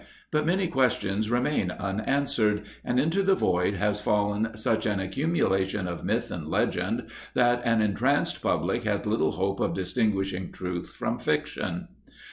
But many questions remain unan swered, and into the void has fallen such an accumulation of myth and legend that an entranced public has little hope of distinguishing truth from fiction.